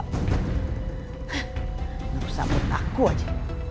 nggak usah buat aku aja